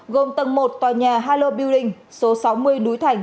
gồm tầng một tòa nhà halo building số sáu mươi núi thành